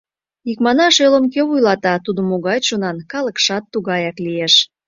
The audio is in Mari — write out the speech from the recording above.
Икманаш, элым кӧ вуйлата, тудо могай чонан — калыкшат тугаяк лиеш...